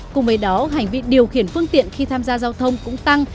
cùng với đó hành vi điều khiển phương tiện khi tham gia giao thông cũng tăng